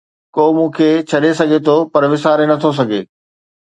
ڪو مون کي ڇڏي سگهي ٿو پر وساري نٿو سگهي